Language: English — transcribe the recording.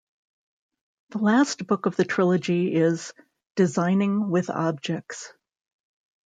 The last book of the trilogy is "Designing with Objects".